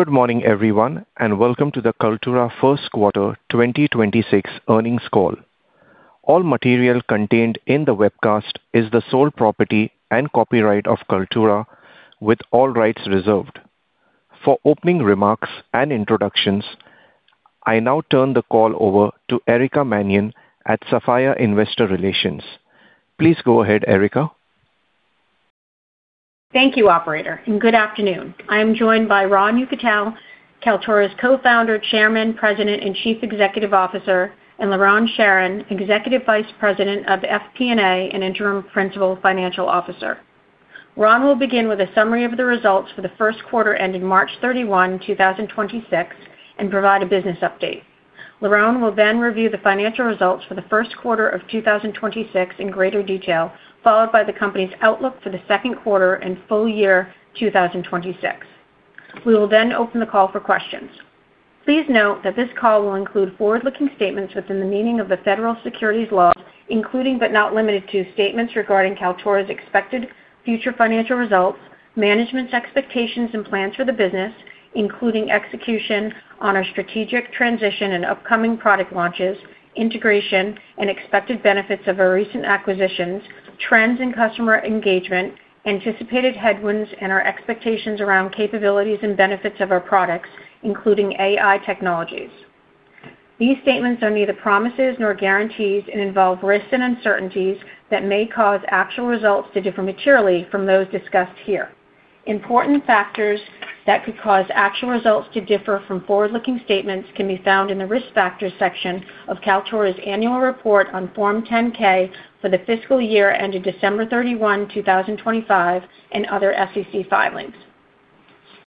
Good morning, everyone, and welcome to the Kaltura First Quarter 2026 Earnings Call. All material contained in the webcast is the sole property and copyright of Kaltura with all rights reserved. For opening remarks and introductions, I now turn the call over to Erica Mannion at Sapphire Investor Relations. Please go ahead, Erica. Thank you, operator, and good afternoon. I am joined by Ron Yekutiel, Kaltura's Co-founder, Chairman, President, and Chief Executive Officer, and Liron Sharon, Executive Vice President of FP&A and Interim Principal Financial Officer. Ron will begin with a summary of the results for the first quarter ending March 31, 2026, and provide a business update. Liron will review the financial results for the first quarter of 2026 in greater detail, followed by the company's outlook for the second quarter and full year 2026. We will open the call for questions. Please note that this call will include forward-looking statements within the meaning of the federal securities laws, including, but not limited to, statements regarding Kaltura's expected future financial results, management's expectations and plans for the business, including execution on our strategic transition and upcoming product launches, integration and expected benefits of our recent acquisitions, trends in customer engagement, anticipated headwinds, and our expectations around capabilities and benefits of our products, including AI technologies. These statements are neither promises nor guarantees and involve risks and uncertainties that may cause actual results to differ materially from those discussed here. Important factors that could cause actual results to differ from forward-looking statements can be found in the Risk Factors section of Kaltura's annual report on Form 10-K for the fiscal year ended December 31, 2025 and other SEC filings.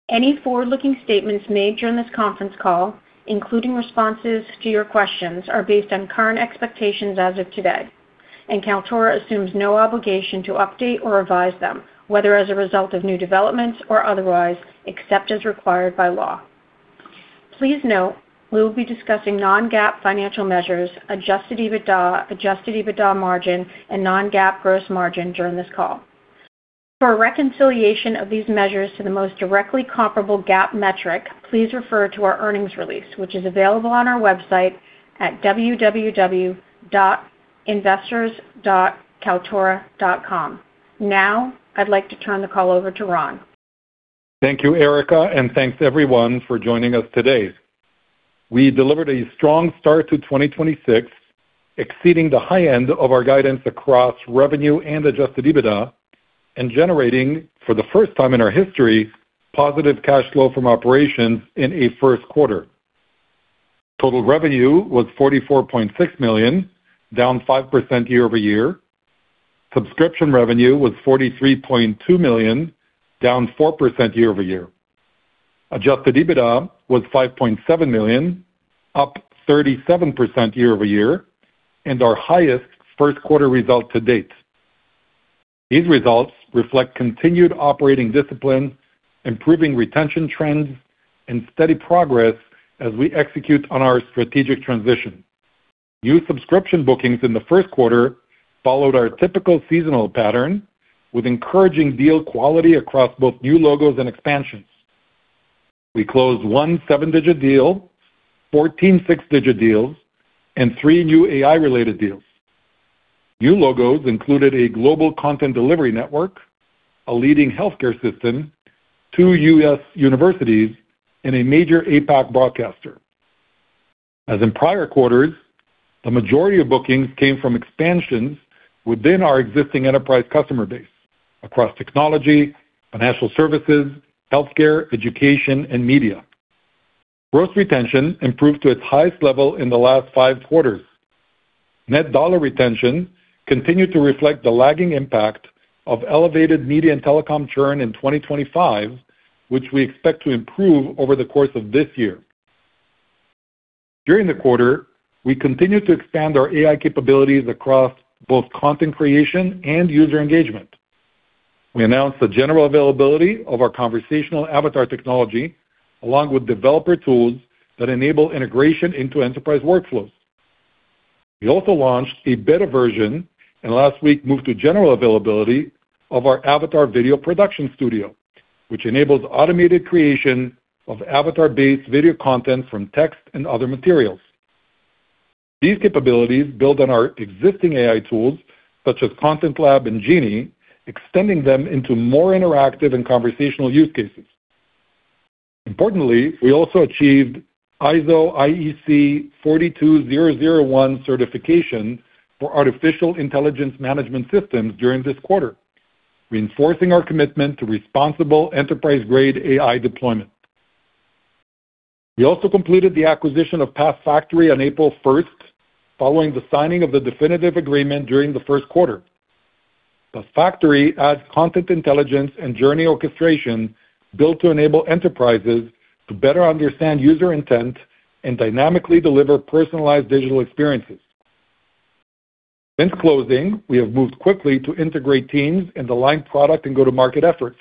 Any forward-looking statements made during this conference call, including responses to your questions, are based on current expectations as of today, and Kaltura assumes no obligation to update or revise them, whether as a result of new developments or otherwise, except as required by law. Please note we will be discussing non-GAAP financial measures, adjusted EBITDA, adjusted EBITDA margin, and non-GAAP gross margin during this call. For a reconciliation of these measures to the most directly comparable GAAP metric, please refer to our earnings release, which is available on our website at www.investors.kaltura.com. Now, I'd like to turn the call over to Ron. Thank you, Erica, thanks everyone for joining us today. We delivered a strong start to 2026, exceeding the high end of our guidance across revenue and adjusted EBITDA and generating, for the first time in our history, positive cash flow from operations in a first quarter. Total revenue was $44.6 million, down 5% year-over-year. Subscription revenue was $43.2 million, down 4% year-over-year. Adjusted EBITDA was $5.7 million, up 37% year-over-year and our highest first quarter result to date. These results reflect continued operating discipline, improving retention trends, and steady progress as we execute on our strategic transition. New subscription bookings in the first quarter followed our typical seasonal pattern with encouraging deal quality across both new logos and expansions. We closed one seven-digit deal, 14 six-digit deals, and three new AI-related deals. New logos included a global content delivery network, a leading healthcare system, two U.S. universities, and a major APAC broadcaster. As in prior quarters, the majority of bookings came from expansions within our existing enterprise customer base across technology, financial services, healthcare, education, and media. Gross retention improved to its highest level in the last five quarters. Net dollar retention continued to reflect the lagging impact of elevated Media & Telecom churn in 2025, which we expect to improve over the course of this year. During the quarter, we continued to expand our AI capabilities across both content creation and user engagement. We announced the general availability of our conversational avatar technology, along with developer tools that enable integration into enterprise workflows. We also launched a beta version and last week moved to general availability of our Avatar Video Production Studio, which enables automated creation of avatar-based video content from text and other materials. These capabilities build on our existing AI tools, such as Content Lab and Genie, extending them into more interactive and conversational use cases. Importantly, we also achieved ISO/IEC 42001 certification for artificial intelligence management systems during this quarter, reinforcing our commitment to responsible enterprise-grade AI deployment. We also completed the acquisition of PathFactory on April 1st, following the signing of the definitive agreement during the first quarter. PathFactory adds content intelligence and journey orchestration built to enable enterprises to better understand user intent and dynamically deliver personalized digital experiences. Since closing, we have moved quickly to integrate teams and align product and go-to-market efforts.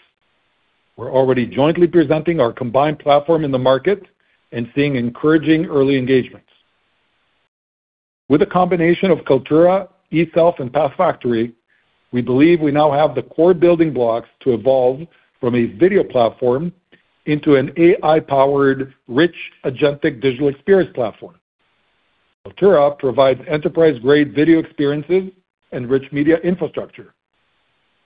We're already jointly presenting our combined platform in the market and seeing encouraging early engagement. With the combination of Kaltura, eSelf, and PathFactory, we believe we now have the core building blocks to evolve from a video platform into an AI-powered, rich agentic digital experience platform. Kaltura provides enterprise-grade video experiences and rich media infrastructure.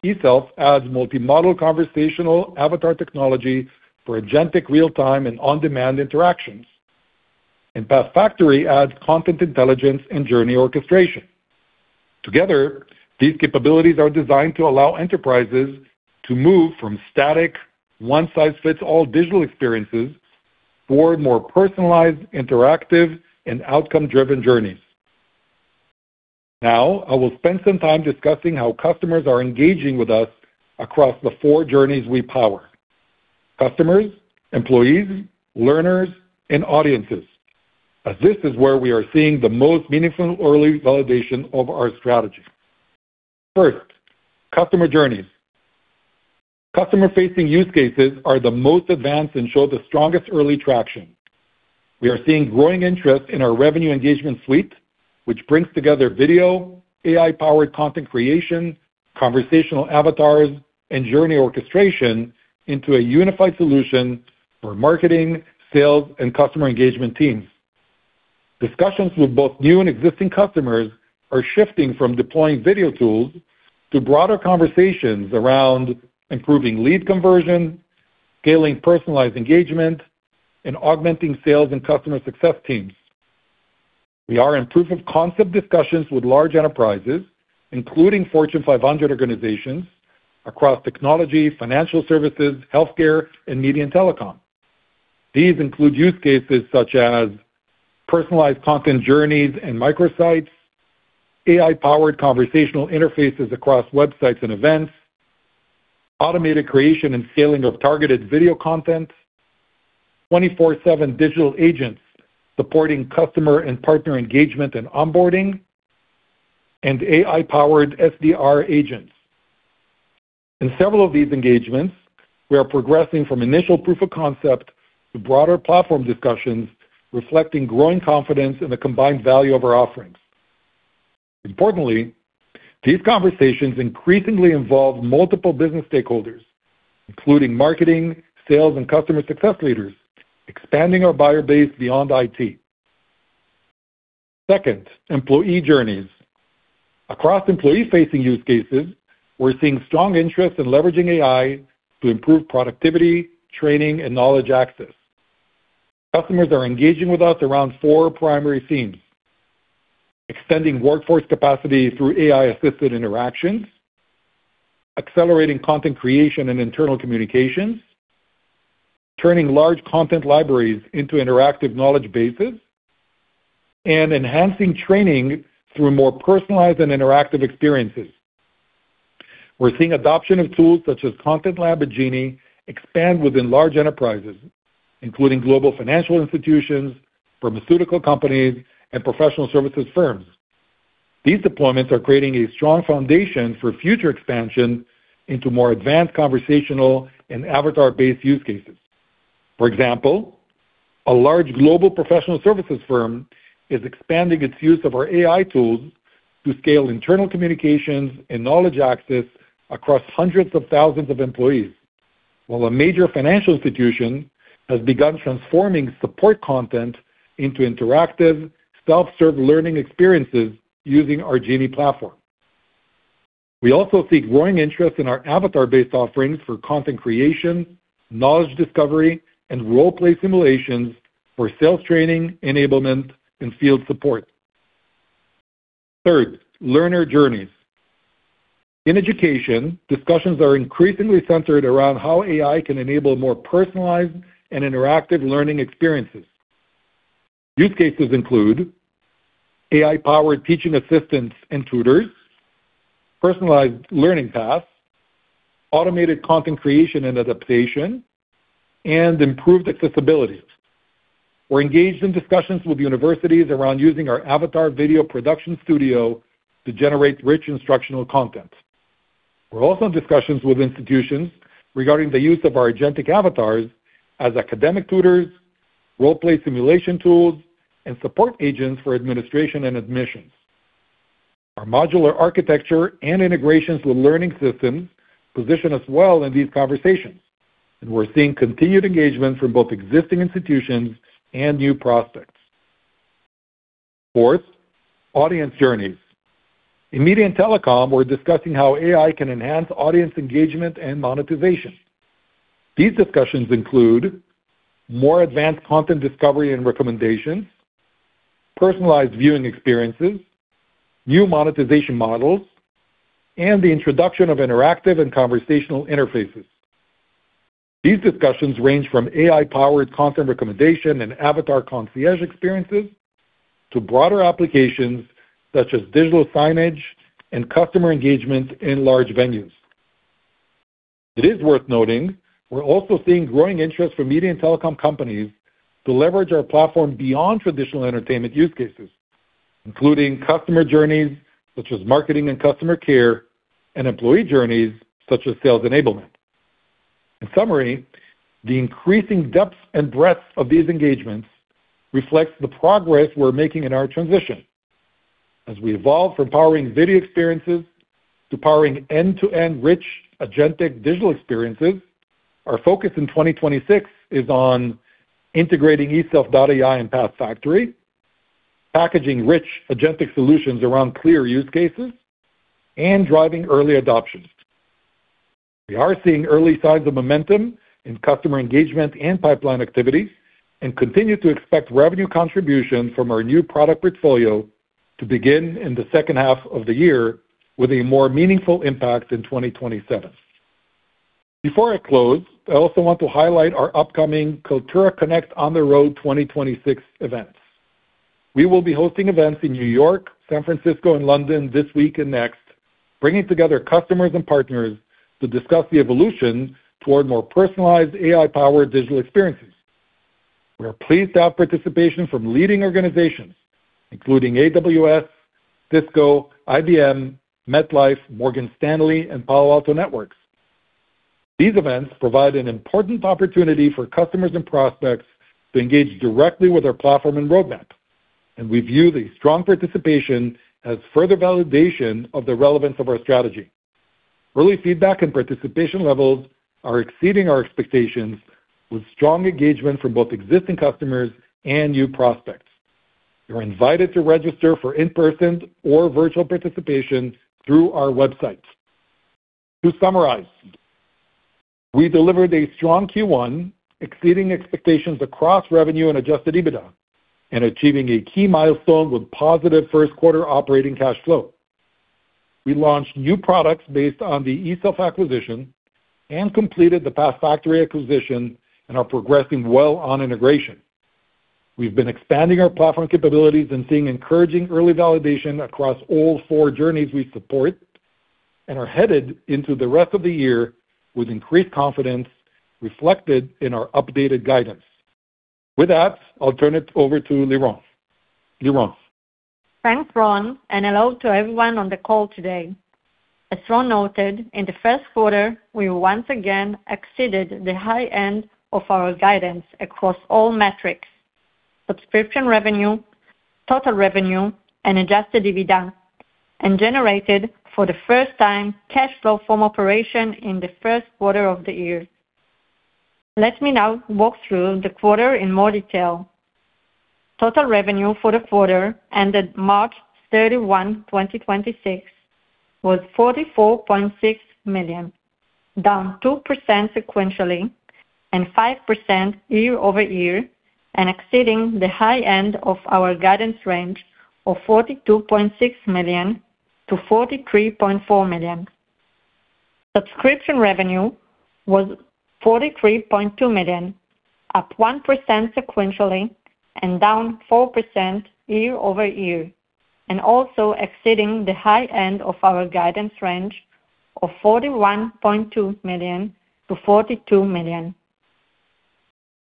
eSelf adds multi-modal conversational avatar technology for agentic real-time and on-demand interactions. PathFactory adds content intelligence and journey orchestration. Together, these capabilities are designed to allow enterprises to move from static one-size-fits-all digital experiences for more personalized, interactive, and outcome-driven journeys. Now, I will spend some time discussing how customers are engaging with us across the four journeys we power: customers, employees, learners, and audiences, as this is where we are seeing the most meaningful early validation of our strategy. First, customer journeys. Customer-facing use cases are the most advanced and show the strongest early traction. We are seeing growing interest in our revenue engagement suite, which brings together video, AI-powered content creation, conversational avatars, and journey orchestration into a unified solution for marketing, sales, and customer engagement teams. Discussions with both new and existing customers are shifting from deploying video tools to broader conversations around improving lead conversion, scaling personalized engagement, and augmenting sales and customer success teams. We are in proof of concept discussions with large enterprises, including Fortune 500 organizations across technology, financial services, healthcare, and media and telecom. These include use cases such as personalized content journeys and microsites, AI-powered conversational interfaces across websites and events, automated creation and scaling of targeted video content, 24/7 digital agents supporting customer and partner engagement and onboarding, and AI-powered SDR agents. In several of these engagements, we are progressing from initial proof of concept to broader platform discussions, reflecting growing confidence in the combined value of our offerings. Importantly, these conversations increasingly involve multiple business stakeholders, including marketing, sales, and customer success leaders, expanding our buyer base beyond IT. Second, employee journeys. Across employee-facing use cases, we're seeing strong interest in leveraging AI to improve productivity, training, and knowledge access. Customers are engaging with us around four primary themes: extending workforce capacity through AI-assisted interactions, accelerating content creation and internal communications, turning large content libraries into interactive knowledge bases, and enhancing training through more personalized and interactive experiences. We're seeing adoption of tools such as Content Lab and Genie expand within large enterprises, including global financial institutions, pharmaceutical companies, and professional services firms. These deployments are creating a strong foundation for future expansion into more advanced conversational and avatar-based use cases. For example, a large global professional services firm is expanding its use of our AI tools to scale internal communications and knowledge access across hundreds of thousands of employees. While a major financial institution has begun transforming support content into interactive self-serve learning experiences using our Genie platform. We also see growing interest in our avatar-based offerings for content creation, knowledge discovery, and role-play simulations for sales training, enablement, and field support. Third, learner journeys. In education, discussions are increasingly centered around how AI can enable more personalized and interactive learning experiences. Use cases include AI-powered teaching assistants and tutors, personalized learning paths, automated content creation and adaptation, and improved accessibility. We're engaged in discussions with universities around using our Avatar Video Production Studio to generate rich instructional content. We're also in discussions with institutions regarding the use of our agentic avatars as academic tutors, role-play simulation tools, and support agents for administration and admissions. Our modular architecture and integrations with learning systems position us well in these conversations, and we're seeing continued engagement from both existing institutions and new prospects. Fourth, audience journeys. In Media & Telecom, we're discussing how AI can enhance audience engagement and monetization. These discussions include more advanced content discovery and recommendations, personalized viewing experiences, new monetization models, and the introduction of interactive and conversational interfaces. These discussions range from AI-powered content recommendation and avatar concierge experiences to broader applications such as digital signage and customer engagement in large venues. It is worth noting we're also seeing growing interest from media and telecom companies to leverage our platform beyond traditional entertainment use cases, including customer journeys such as marketing and customer care, and employee journeys such as sales enablement. In summary, the increasing depth and breadth of these engagements reflects the progress we're making in our transition. As we evolve from powering video experiences to powering end-to-end rich agentic digital experiences, our focus in 2026 is on integrating eSelf.ai and PathFactory, packaging rich agentic solutions around clear use cases, and driving early adoption. We are seeing early signs of momentum in customer engagement and pipeline activity, and continue to expect revenue contribution from our new product portfolio to begin in the second half of the year with a more meaningful impact in 2027. Before I close, I also want to highlight our upcoming Kaltura Connect on the Road 2026 events. We will be hosting events in New York, San Francisco and London this week and next, bringing together customers and partners to discuss the evolution toward more personalized AI-powered digital experiences. We are pleased to have participation from leading organizations including AWS, Cisco, IBM, MetLife, Morgan Stanley, and Palo Alto Networks. These events provide an important opportunity for customers and prospects to engage directly with our platform and roadmap, and we view the strong participation as further validation of the relevance of our strategy. Early feedback and participation levels are exceeding our expectations with strong engagement from both existing customers and new prospects. You're invited to register for in-person or virtual participation through our website. To summarize, we delivered a strong Q1, exceeding expectations across revenue and adjusted EBITDA, and achieving a key milestone with positive first quarter operating cash flow. We launched new products based on the eSelf acquisition and completed the PathFactory acquisition and are progressing well on integration. We've been expanding our platform capabilities and seeing encouraging early validation across all four journeys we support, and are headed into the rest of the year with increased confidence reflected in our updated guidance. With that, I'll turn it over to Liron. Liron. Thanks, Ron, and hello to everyone on the call today. As Ron noted, in the first quarter, we once again exceeded the high end of our guidance across all metrics, subscription revenue, total revenue, and adjusted EBITDA, and generated, for the first time, cash flow from operation in the first quarter of the year. Let me now walk through the quarter in more detail. Total revenue for the quarter ended March 31, 2026, was $44.6 million, down 2% sequentially and 5% year-over-year and exceeding the high end of our guidance range of $42.6 million-$43.4 million. Subscription revenue was $43.2 million, up 1% sequentially and down 4% year-over-year, and also exceeding the high end of our guidance range of $41.2 million-$42 million.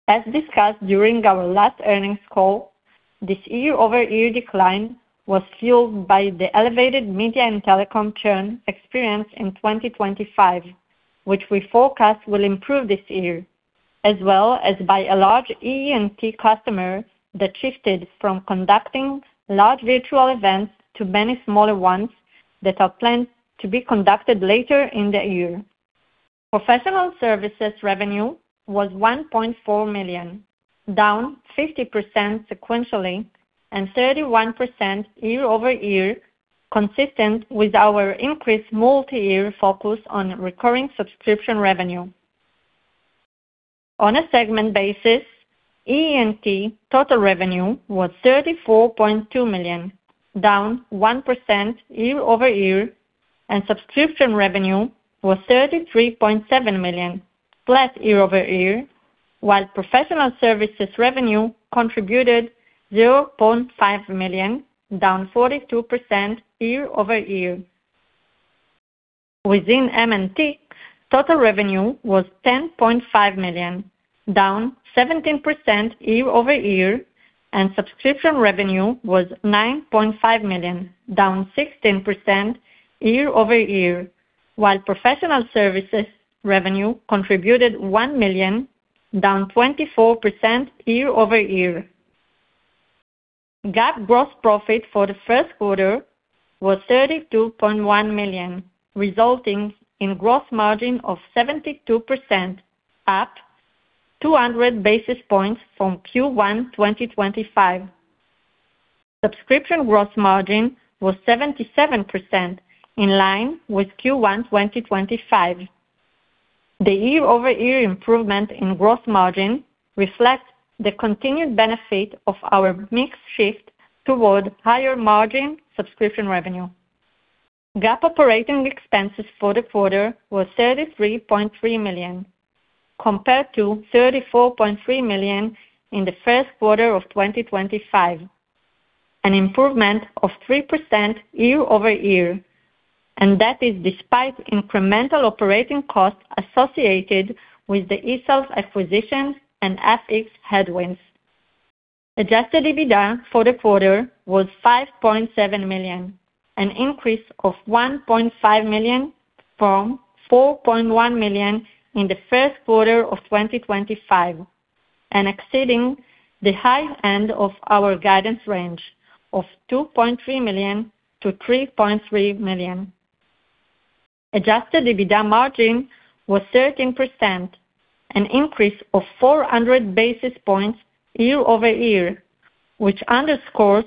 As discussed during our last earnings call, this year-over-year decline was fueled by the elevated Media & Telecom churn experienced in 2025, which we forecast will improve this year, as well as by a large EE&T customer that shifted from conducting large virtual events to many smaller ones that are planned to be conducted later in the year. Professional services revenue was $1.4 million, down 50% sequentially and 31% year-over-year, consistent with our increased multi-year focus on recurring subscription revenue. On a segment basis, EE&T total revenue was $34.2 million, down 1% year-over-year, and subscription revenue was $33.7 million, flat year-over-year. While professional services revenue contributed $0.5 million, down 42% year-over-year. Within M&T, total revenue was $10.5 million, down 17% year-over-year, and subscription revenue was $9.5 million, down 16% year-over-year. While professional services revenue contributed $1 million, down 24% year-over-year. GAAP gross profit for the first quarter was $32.1 million, resulting in gross margin of 72%, up 200 basis points from Q1 2025. Subscription gross margin was 77%, in line with Q1 2025. The year-over-year improvement in gross margin reflects the continued benefit of our mix shift toward higher margin subscription revenue. GAAP operating expenses for the quarter was $33.3 million, compared to $34.3 million in the first quarter of 2025, an improvement of 3% year-over-year, and that is despite incremental operating costs associated with the eSelf acquisition and FX headwinds. Adjusted EBITDA for the quarter was $5.7 million, an increase of $1.5 million from $4.1 million in the first quarter of 2025 and exceeding the high end of our guidance range of $2.3 million-$3.3 million. Adjusted EBITDA margin was 13%, an increase of 400 basis points year-over-year, which underscores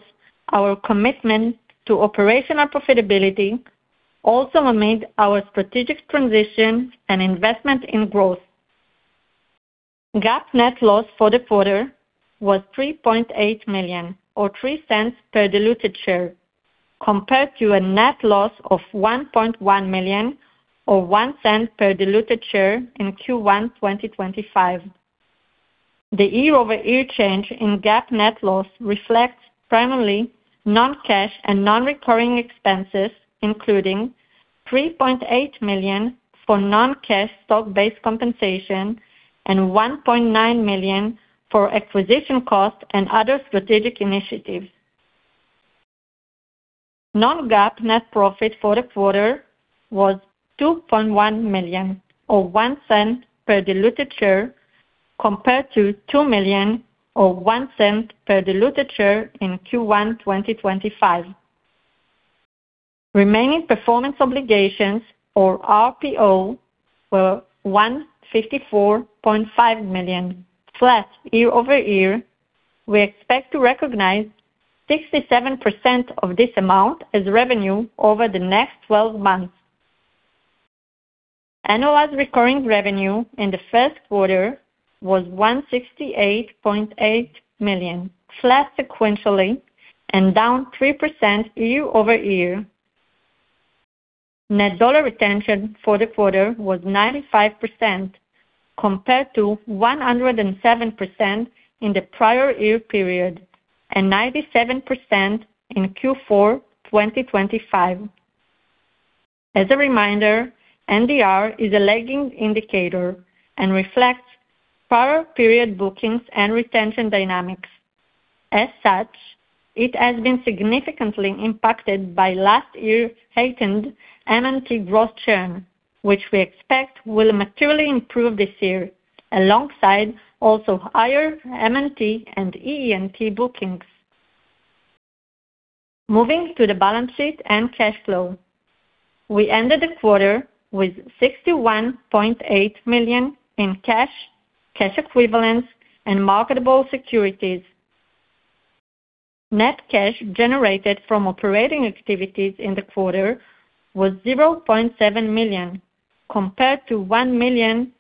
our commitment to operational profitability, also amid our strategic transition and investment in growth. GAAP net loss for the quarter was $3.8 million or $0.03 per diluted share, compared to a net loss of $1.1 million or $0.01 per diluted share in Q1 2025. The year-over-year change in GAAP net loss reflects primarily non-cash and non-recurring expenses, including $3.8 million for non-cash stock-based compensation and $1.9 million for acquisition costs and other strategic initiatives. Non-GAAP net profit for the quarter was $2.1 million, or $0.01 per diluted share, compared to $2 million or $0.01 per diluted share in Q1 2025. Remaining performance obligations, or RPO, were $154.5 million, flat year-over-year. We expect to recognize 67% of this amount as revenue over the next 12 months. Annualized recurring revenue in the first quarter was $168.8 million, flat sequentially and down 3% year-over-year. Net dollar retention for the quarter was 95%, compared to 107% in the prior year period and 97% in Q4 2025. As a reminder, NDR is a lagging indicator and reflects prior period bookings and retention dynamics. As such, it has been significantly impacted by last year's heightened M&T gross churn, which we expect will materially improve this year, alongside also higher M&T and EE&T bookings. Moving to the balance sheet and cash flow. We ended the quarter with $61.8 million in cash equivalents, and marketable securities. Net cash generated from operating activities in the quarter was $0.7 million, compared to $1 million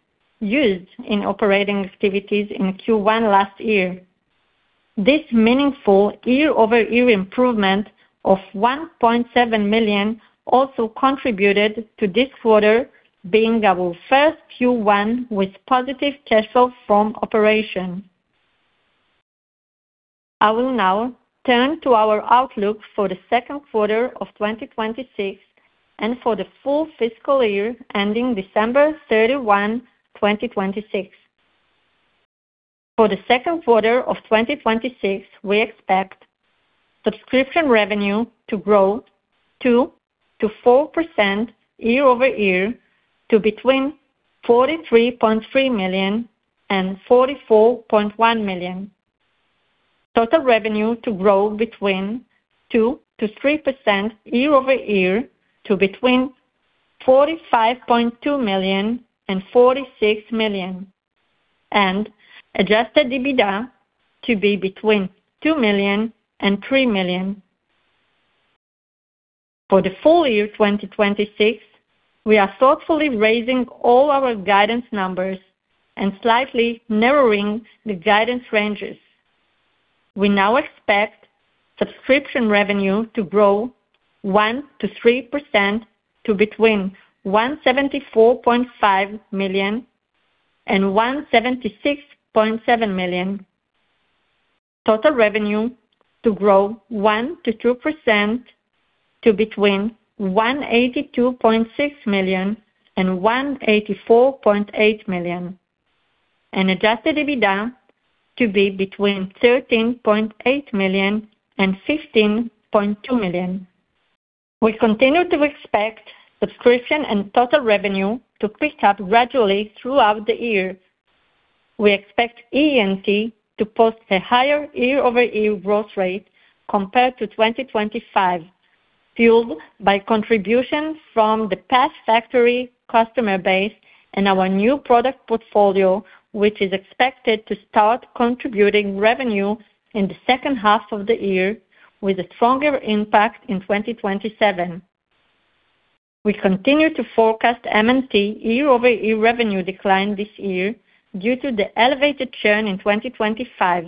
used in operating activities in Q1 last year. This meaningful year-over-year improvement of $1.7 million also contributed to this quarter being our first Q1 with positive cash flow from operation. I will now turn to our outlook for the second quarter of 2026 and for the full fiscal year ending December 31, 2026. For the second quarter of 2026, we expect subscription revenue to grow 2%-4% year-over-year to between $43.3 million and $44.1 million. Total revenue to grow between 2%-3% year-over-year to between $45.2 million and $46 million, and adjusted EBITDA to be between $2 million and $3 million. For the full year 2026, we are thoughtfully raising all our guidance numbers and slightly narrowing the guidance ranges. We now expect subscription revenue to grow 1%-3% to between $174.5 million and $176.7 million. Total revenue to grow 1%-2% to between $182.6 million and $184.8 million, and adjusted EBITDA to be between $13.8 million and $15.2 million. We continue to expect subscription and total revenue to pick up gradually throughout the year. We expect EE&T to post a higher year-over-year growth rate compared to 2025, fueled by contributions from the PathFactory customer base and our new product portfolio, which is expected to start contributing revenue in the second half of the year with a stronger impact in 2027. We continue to forecast M&T year-over-year revenue decline this year due to the elevated churn in 2025,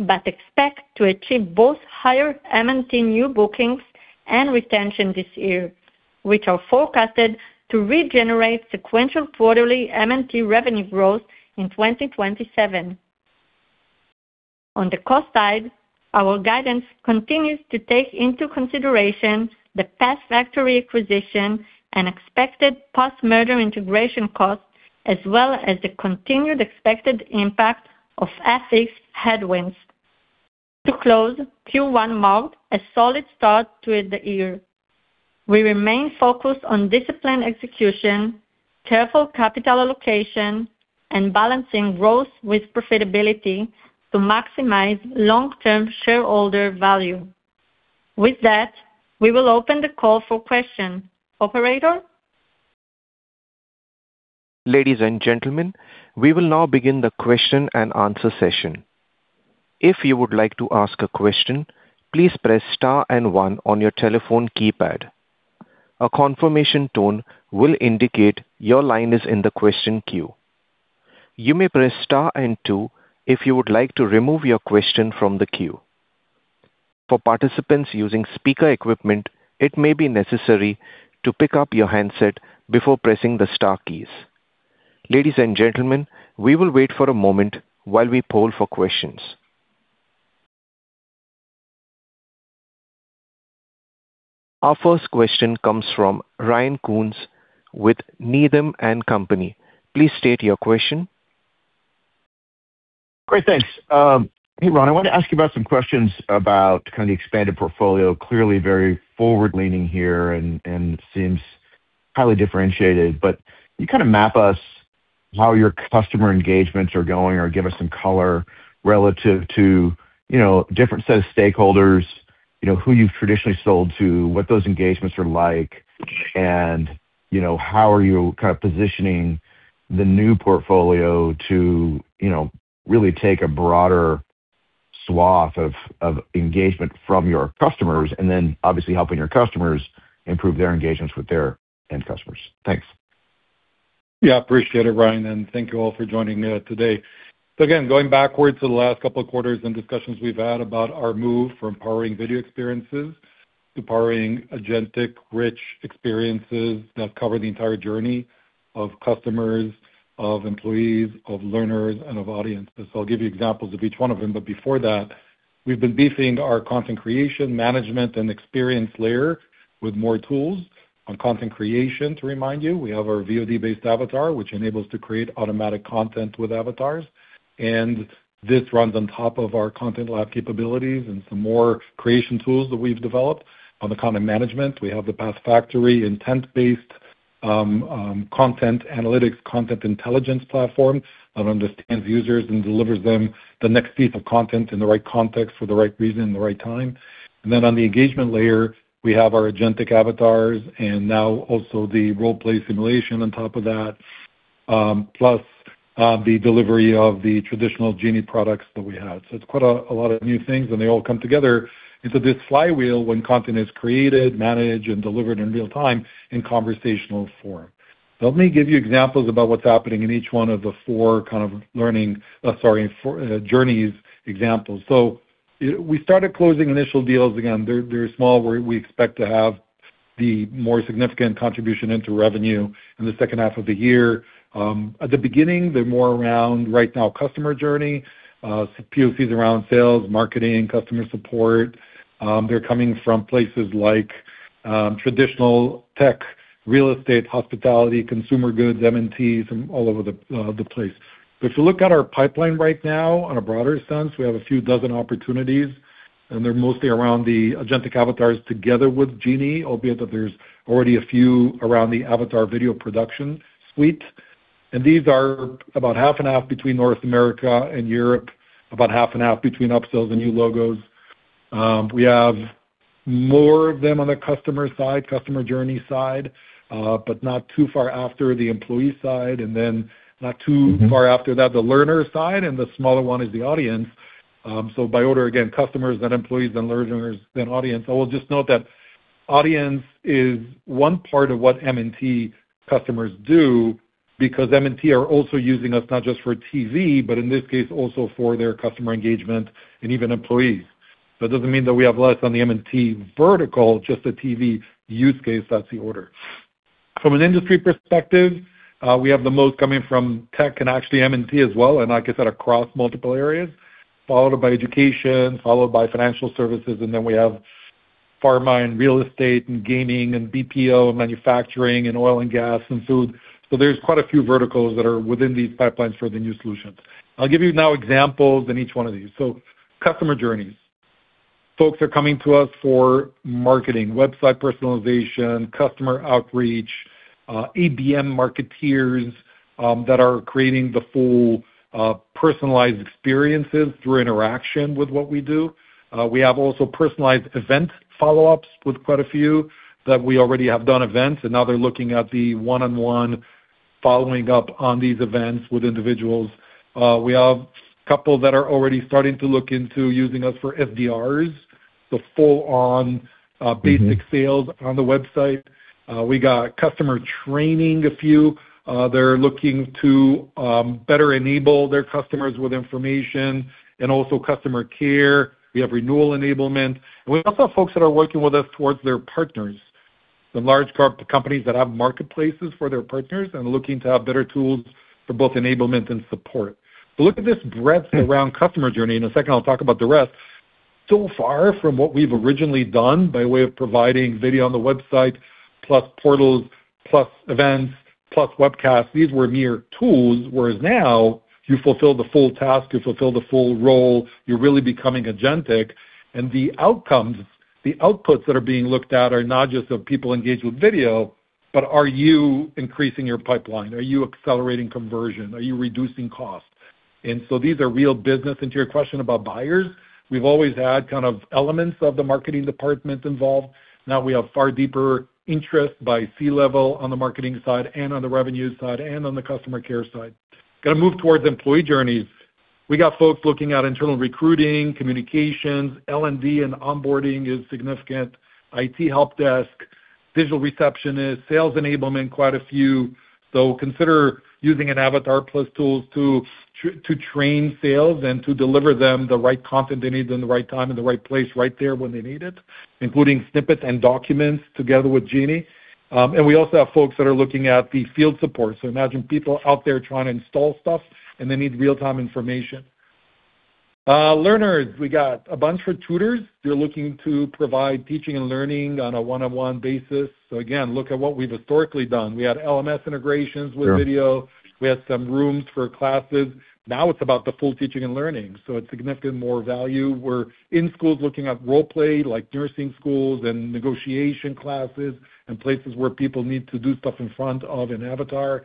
but expect to achieve both higher M&T new bookings and retention this year, which are forecasted to regenerate sequential quarterly M&T revenue growth in 2027. On the cost side, our guidance continues to take into consideration the PathFactory acquisition and expected post-merger integration costs. As well as the continued expected impact of FX headwinds. To close, Q1 marked a solid start to the year. We remain focused on disciplined execution, careful capital allocation, and balancing growth with profitability to maximize long-term shareholder value. With that, we will open the call for questions. Operator? Ladies and gentlemen, we will now begin the question and answer session. If you would like to ask a question, please press star and one on your telephone keypad. A confirmation tone will indicate your line is in the question queue. You may press star and two if you would like to remove your question from the queue. For participants using speaker equipment, it may be necessary to pick up your handset before pressing the star keys. Ladies and gentlemen, we will wait for a moment while we poll for questions. Our first question comes from Ryan Koontz with Needham & Company. Please state your question. Great, thanks. Hey, Ron, I wanna ask you about some questions about kinda the expanded portfolio. Clearly very forward-leaning here and seems highly differentiated. Can you kinda map us how your customer engagements are going, or give us some color relative to, you know, different set of stakeholders, you know, who you've traditionally sold to, what those engagements are like, and, you know, how are you kind of positioning the new portfolio to, you know, really take a broader swath of engagement from your customers, and then obviously helping your customers improve their engagements with their end customers? Thanks. Yeah, appreciate it, Ryan, and thank you all for joining me today. Again, going backwards to the last couple of quarters and discussions we've had about our move from powering video experiences to powering agentic rich experiences that cover the entire journey of customers, of employees, of learners, and of audiences. I'll give you examples of each one of them. Before that, we've been beefing our content creation, management, and experience layer with more tools. On content creation, to remind you, we have our VOD-based avatar, which enables to create automatic content with avatars, and this runs on top of our Content Lab capabilities and some more creation tools that we've developed. On the content management, we have the PathFactory, intent-based, content analytics, content intelligence platform that understands users and delivers them the next piece of content in the right context for the right reason, the right time. On the engagement layer, we have our Agentic avatars and now also the role-play simulation on top of that, plus the delivery of the traditional Genie products that we have. It's quite a lot of new things. They all come together into this flywheel when content is created, managed, and delivered in real-time in conversational form. Let me give you examples about what's happening in each one of the four journeys examples. We started closing initial deals. Again, they're small. We expect to have the more significant contribution into revenue in the second half of the year. At the beginning, they're more around right now customer journey, POCs around sales, marketing, customer support. They're coming from places like traditional tech, real estate, hospitality, consumer goods, M&T from all over the place. If you look at our pipeline right now on a broader sense, we have a few dozen opportunities, and they're mostly around the agentic avatars together with Genie, albeit that there's already a few around the Avatar Video Production suite. These are about half and half between North America and Europe, about half and half between upsells and new logos. We have more of them on the customer side, customer journey side, but not too far after the employee side, and then not too far after that, the learner side, and the smaller one is the audience. By order, again, customers, then employees, then learners, then audience. I will just note that audience is one part of what M&T customers do because M&T are also using us not just for TV, but in this case also for their customer engagement and even employees. That doesn't mean that we have less on the M&T vertical, just the TV use case, that's the order. From an industry perspective, we have the most coming from tech and actually M&T as well, and like I said, across multiple areas, followed by education, followed by financial services, and then we have pharma and real estate and gaming and BPO, manufacturing and oil and gas and food. There's quite a few verticals that are within these pipelines for the new solutions. I'll give you now examples in each one of these. Customer journeys. Folks are coming to us for marketing, website personalization, customer outreach, ABM marketeers, that are creating the full personalized experiences through interaction with what we do. We have also personalized event follow-ups with quite a few that we already have done events, and now they're looking at the one-on-one following up on these events with individuals. We have a couple that are already starting to look into using us for SDRs, the full-on, basic sales on the website. We got customer training, a few that are looking to better enable their customers with information and also customer care. We have renewal enablement. We also have folks that are working with us towards their partners, the large companies that have marketplaces for their partners and looking to have better tools for both enablement and support. Look at this breadth around customer journey. In a second, I'll talk about the rest. So far from what we've originally done by way of providing video on the website, plus portals, plus events, plus webcasts, these were mere tools, whereas now you fulfill the full task, you fulfill the full role, you're really becoming agentic. The outcomes, the outputs that are being looked at are not just of people engaged with video, but are you increasing your pipeline? Are you accelerating conversion? Are you reducing costs? These are real business. To your question about buyers, we've always had kind of elements of the marketing department involved. Now we have far deeper interest by C-level on the marketing side and on the revenue side and on the customer care side. Gonna move towards employee journeys. We got folks looking at internal recruiting, communications, L&D, and onboarding is significant, IT helpdesk, digital receptionist, sales enablement, quite a few. Consider using an avatar plus tools to train sales and to deliver them the right content they need in the right time, in the right place, right there when they need it, including snippets and documents together with Genie. We also have folks that are looking at the field support. Imagine people out there trying to install stuff, and they need real-time information. Learners, we got a bunch for tutors. They're looking to provide teaching and learning on a one-on-one basis. Again, look at what we've historically done. We had LMS integrations with video. Sure. We had some rooms for classes. Now it's about the full teaching and learning, so it's significant more value. We're in schools looking at role-play, like nursing schools and negotiation classes and places where people need to do stuff in front of an avatar.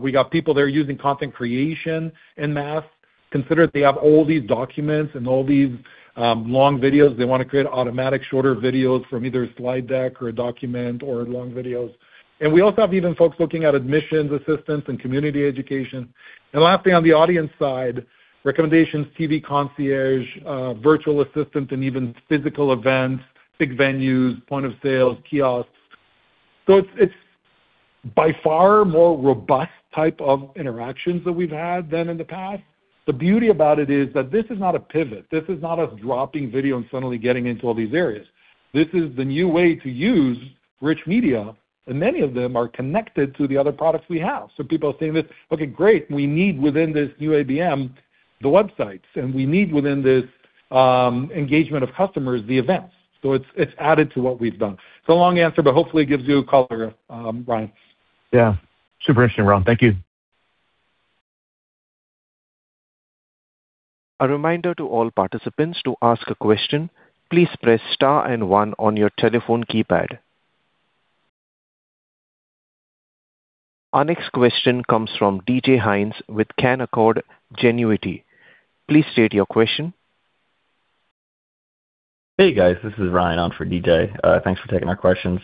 We got people there using content creation en masse. Consider they have all these documents and all these long videos. They want to create automatic shorter videos from either a slide deck or a document or long videos. We also have even folks looking at admissions assistance and community education. Lastly, on the audience side, recommendations, TV concierge, virtual assistant, and even physical events, big venues, point of sales, kiosks. It's by far more robust type of interactions that we've had than in the past. The beauty about it is that this is not a pivot. This is not us dropping video and suddenly getting into all these areas. This is the new way to use rich media, and many of them are connected to the other products we have. People are saying this, "Okay, great. We need within this new ABM, the websites, and we need within this engagement of customers, the events." It's added to what we've done. It's a long answer, but hopefully it gives you a color, Ryan. Yeah. Super interesting, Ron. Thank you. A reminder to all participants to ask a question, please press star and one on your telephone keypad. Our next question comes from DJ Hynes with Canaccord Genuity. Please state your question. Hey, guys. This is Ryan on for DJ. Thanks for taking our questions.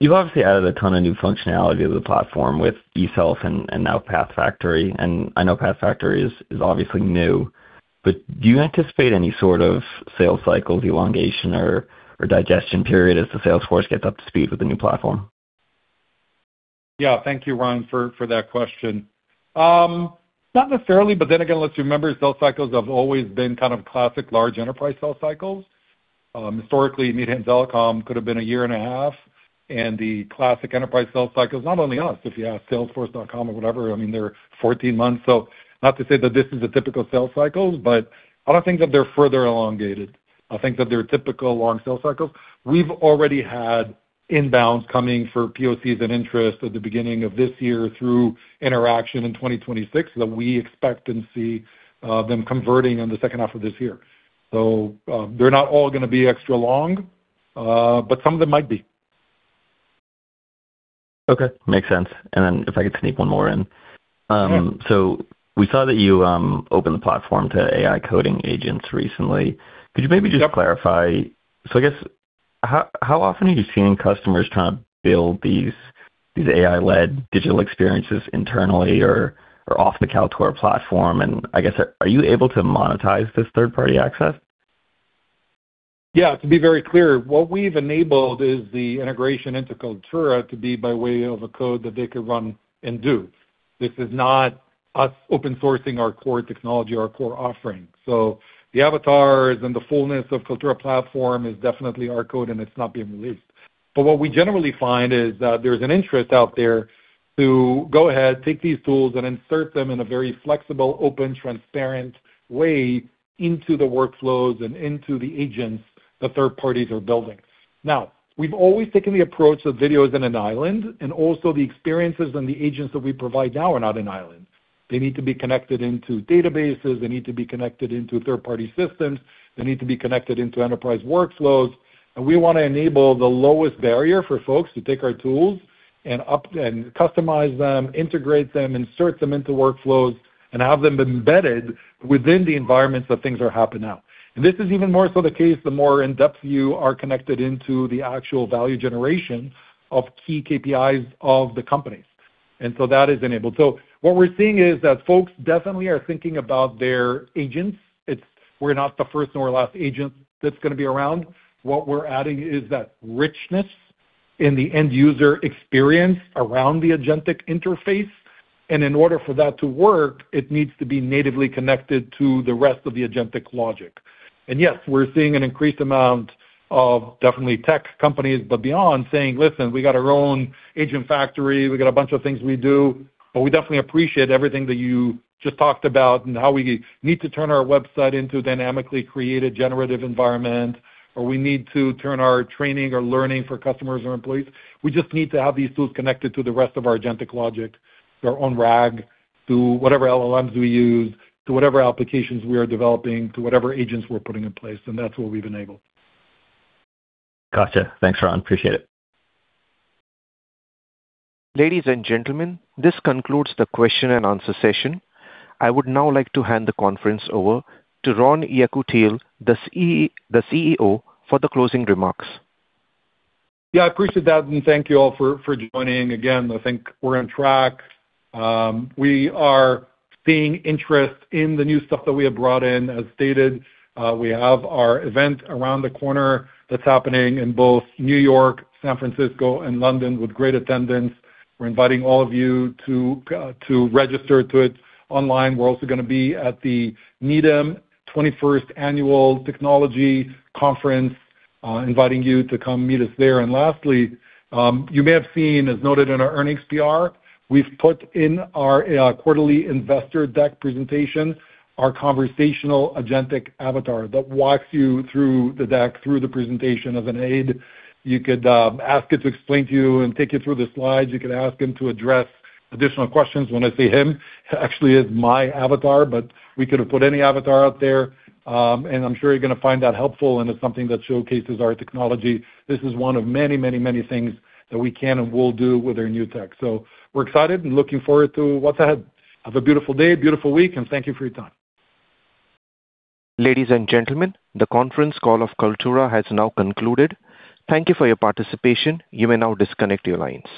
You've obviously added a ton of new functionality to the platform with eSelf and now PathFactory, and I know PathFactory is obviously new, but do you anticipate any sort of sales cycles elongation or digestion period as the sales force gets up to speed with the new platform? Yeah. Thank you, Ryan, for that question. Not necessarily, but then again, let's remember sales cycles have always been kind of classic large enterprise sales cycles. Historically, media and telecom could have been a year and a half, and the classic enterprise sales cycles, not only us, if you ask salesforce.com or whatever, I mean, they're 14 months. Not to say that this is a typical sales cycles, but I don't think that they're further elongated. I think that they're typical long sales cycles. We've already had inbounds coming for POCs and interest at the beginning of this year through interaction in 2026 that we expect and see them converting in the second half of this year. They're not all gonna be extra long, but some of them might be. Okay. Makes sense. If I could sneak one more in. Sure. We saw that you opened the platform to AI coding agents recently. Yep. Could you maybe just clarify? I guess how often are you seeing customers trying to build these AI-led digital experiences internally or off the Kaltura platform? I guess, are you able to monetize this third-party access? Yeah. To be very clear, what we've enabled is the integration into Kaltura to be by way of a code that they could run and do. This is not us open sourcing our core technology, our core offering. The avatars and the fullness of Kaltura platform is definitely our code, and it's not being released. What we generally find is that there's an interest out there to go ahead, take these tools, and insert them in a very flexible, open, transparent way into the workflows and into the agents the third parties are building. We've always taken the approach of video is an island, and also the experiences and the agents that we provide now are not an island. They need to be connected into databases. They need to be connected into third-party systems. They need to be connected into enterprise workflows. We wanna enable the lowest barrier for folks to take our tools and customize them, integrate them, insert them into workflows, and have them embedded within the environments that things are happening now. This is even more so the case, the more in-depth you are connected into the actual value generation of key KPIs of the companies. That is enabled. What we're seeing is that folks definitely are thinking about their agents. We're not the first nor last agent that's gonna be around. What we're adding is that richness in the end user experience around the agentic interface. In order for that to work, it needs to be natively connected to the rest of the agentic logic. Yes, we're seeing an increased amount of definitely tech companies, but beyond saying, "Listen, we got our own agent factory, we got a bunch of things we do, but we definitely appreciate everything that you just talked about and how we need to turn our website into dynamically created generative environment, or we need to turn our training or learning for customers or employees. We just need to have these tools connected to the rest of our agentic logic, their own RAG, to whatever LLMs we use, to whatever applications we are developing, to whatever agents we're putting in place." That's what we've enabled. Gotcha. Thanks, Ron. Appreciate it. Ladies and gentlemen, this concludes the question and answer session. I would now like to hand the conference over to Ron Yekutiel, the CEO, for the closing remarks. Yeah, I appreciate that, and thank you all for joining. Again, I think we're on track. We are seeing interest in the new stuff that we have brought in. As stated, we have our event around the corner that's happening in both New York, San Francisco, and London with great attendance. We're inviting all of you to register to it online. We're also gonna be at the Needham 21st Annual Technology Conference, inviting you to come meet us there. Lastly, you may have seen, as noted in our earnings PR, we've put in our quarterly investor deck presentation, our conversational Agentic avatar that walks you through the deck, through the presentation of an aide. You could ask it to explain to you and take you through the slides. You could ask him to address additional questions. When I say him, it actually is my avatar, but we could have put any avatar out there. I'm sure you're gonna find that helpful, and it's something that showcases our technology. This is one of many, many, many things that we can and will do with our new tech. We're excited and looking forward to what's ahead. Have a beautiful day, beautiful week, and thank you for your time. Ladies and gentlemen, the conference call of Kaltura has now concluded. Thank you for your participation. You may now disconnect your lines.